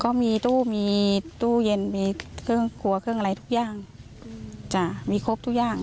ก็มีตู้มีตู้เย็นมีเครื่องครัวเครื่องอะไรทุกอย่างจ้ะมีครบทุกอย่าง